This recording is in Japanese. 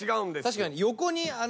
確かに。